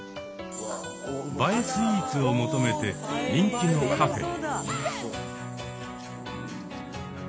映えスイーツを求めて人気のカフェへ。